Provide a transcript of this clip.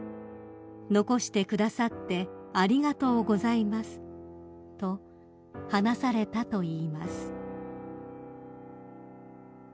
「残してくださってありがとうございます」と話されたといいます］